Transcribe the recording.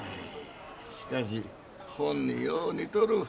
しかしほんによう似とる。